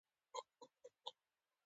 نورستان د افغانستان د جغرافیې بېلګه ده.